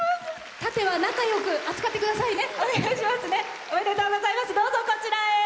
盾は仲よく扱ってくださいね。